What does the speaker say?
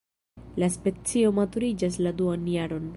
La specio maturiĝas la duan jaron.